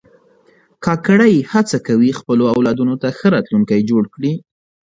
کاکړي هڅه کوي خپلو اولادونو ته ښه راتلونکی جوړ کړي.